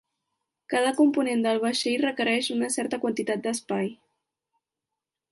Cada component del vaixell requereix una certa quantitat d'espai.